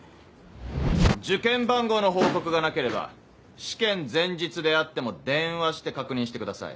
受験番号の報告がなければ試験前日であっても電話して確認してください。